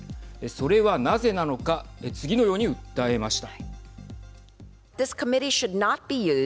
それはなぜなのか次のように訴えました。